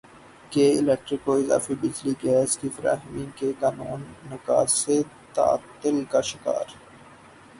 کے الیکٹرک کو اضافی بجلی گیس کی فراہمی کے قانونی تقاضے تعطل کا شکار